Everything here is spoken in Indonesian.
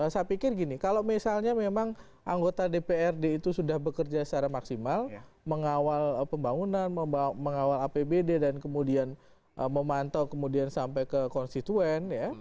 saya pikir gini kalau misalnya memang anggota dprd itu sudah bekerja secara maksimal mengawal pembangunan mengawal apbd dan kemudian memantau kemudian sampai ke konstituen ya